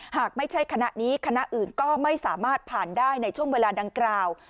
หากไม่ใช่คณะนี้คณะอื่นก็ไม่สามารถผ่านได้ในช่วงเวลาดังกล่าว